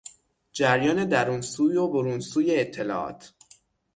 جریان درون سوی و برون سوی اطلاعات